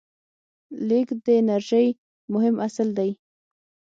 لیږد د انرژۍ مهم اصل دی.